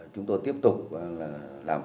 chúng tôi tiếp tục làm